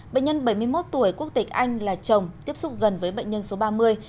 bệnh nhân bảy mươi một tuổi quốc tịch anh là chồng tiếp xúc gần với bệnh nhân số ba mươi